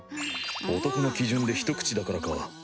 男の基準で一口だからか。